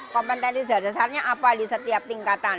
kompetensi dasarnya apa di setiap tingkatan